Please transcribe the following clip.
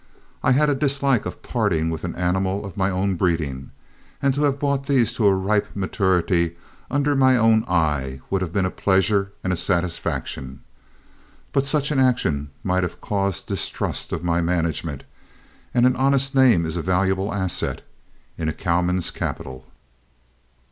I had a dislike to parting with an animal of my own breeding, and to have brought these to a ripe maturity under my own eye would have been a pleasure and a satisfaction. But such an action might have caused distrust of my management, and an honest name is a valuable asset in a cowman's capital.